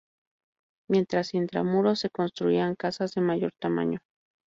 Mientras intramuros se construían casas de mayor tamaño.